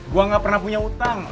gue gak pernah punya utang